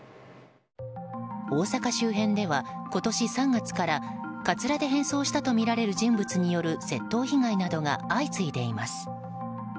大阪周辺では今年３月からカツラで変装したとみられる人物による窃盗被害が相次いでいます。